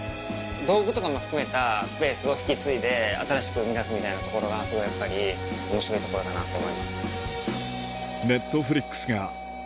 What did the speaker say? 道具とかも含めたスペースを引き継いで新しく生み出すみたいなところがすごいやっぱり面白いところかなと思います。